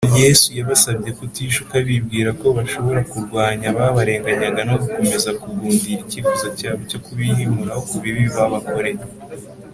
yesu yabasabye kutishuka bibwira ko bashobora kurwanya ababarenganyaga no gukomeza kugundira icyifuzo cyabo cyo kubihimuraho ku bibi babakoreye